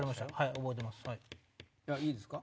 いいですか？